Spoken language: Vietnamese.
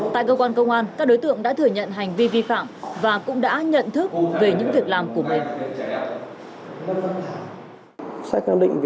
tại cơ quan công an các đối tượng đã thừa nhận hành vi vi phạm và cũng đã nhận thức về những việc làm của mình